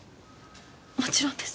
もちろんです。